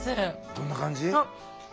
どんな感じ？